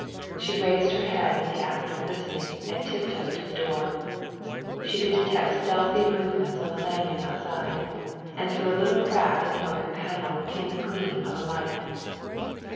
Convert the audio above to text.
She raised her head in the act of listening and tiptoed to the door. She could detect stealthy movements on the landing outside, and through a little crack in the oaken panel came the gleam of a light.